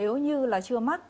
nếu như là chưa mắc